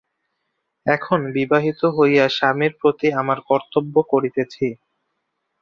এখন বিবাহিত হইয়া স্বামীর প্রতি আমার কর্তব্য করিতেছি।